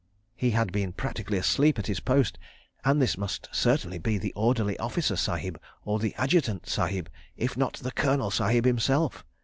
He had been practically asleep at his post, and this must certainly be the Orderly Officer Sahib or the Adjutant Sahib, if not the Colonel Sahib himself!